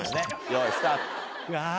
よいスタート！